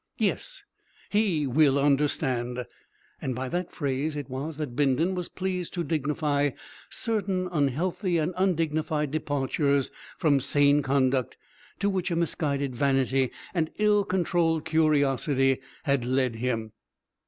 Yes he will understand." By that phrase it was that Bindon was pleased to dignify certain unhealthy and undignified departures from sane conduct to which a misguided vanity and an ill controlled curiosity had led him.